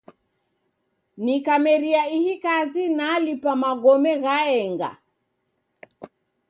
Nikameria ihi kazi nalipwa magome ghaenga.